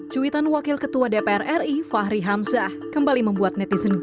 cuitan wakil ketua dpr ri fahri hamzah kembali membuat netizen